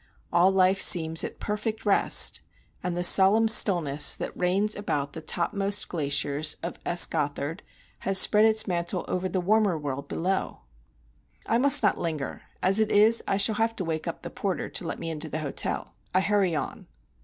All life seems at perfect rest, and the solemn stillness that reigns about the topmost glaciers of S. Gothard has spread its mantle over the warmer world below. I must not linger; as it is, I shall have to wake up the porter to let me into the hotel. I hurry on.